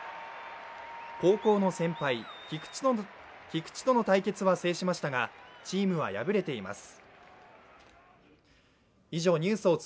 高校の先輩・菊池との対決は制しましたがチームは敗れています。